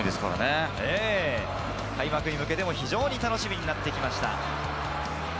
開幕に向けて非常に楽しみになってきました。